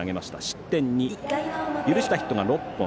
失点２、許したヒットが６本。